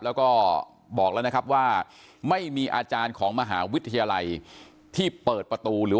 แล้วก็บอกแล้วนะครับว่าไม่มีอาจารย์ของมหาวิทยาลัยที่เปิดประตูหรือ